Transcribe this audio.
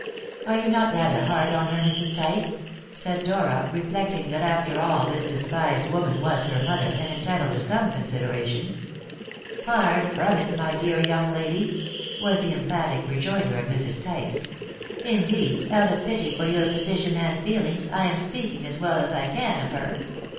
"Are you not rather hard on her, Mrs. Tice?" said Dora, reflecting that after all this despised woman was her mother, and entitled to some consideration. "Far from it, my dear young lady," was the emphatic rejoinder of Mrs. Tice; "indeed, out of pity for your position and feelings, I am speaking as well as I can of her.